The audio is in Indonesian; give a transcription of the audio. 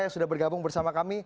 yang sudah bergabung bersama kami